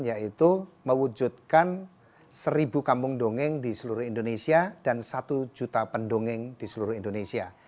yaitu mewujudkan seribu kampung dongeng di seluruh indonesia dan satu juta pendongeng di seluruh indonesia